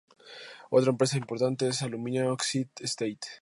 Otra empresa importante es "Alúmina Óxido Stade".